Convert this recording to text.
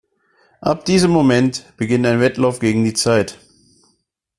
Ab diesem Moment beginnt ein Wettlauf gegen die Zeit.